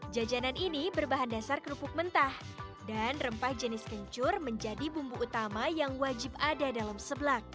jajanan ini berbahan dasar kerupuk mentah dan rempah jenis kencur menjadi bumbu utama yang wajib ada dalam seblak